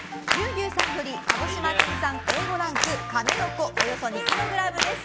牛さんより鹿児島県産Ａ５ランクカメノコおよそ２ｋｇです。